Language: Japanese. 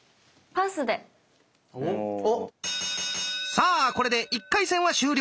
さあこれで１回戦は終了。